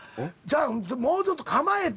もうちょっと構えて。